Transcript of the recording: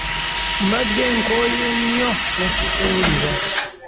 Mbadde nkooye nnyo ne ssikuwulira.